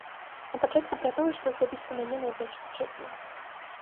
Напачатку пра тое, што асабіста мяне найбольш зачапіла.